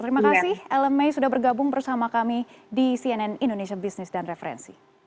terima kasih ellem may sudah bergabung bersama kami di cnn indonesia business dan referensi